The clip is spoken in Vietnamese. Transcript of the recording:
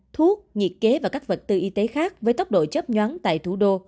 thuốc nhiệt kế và các vật tư y tế khác với tốc độ chấp nhoáng tại thủ đô